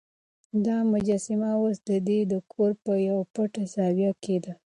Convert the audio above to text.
دا مجسمه اوس د ده د کور په یوه پټه زاویه کې ده.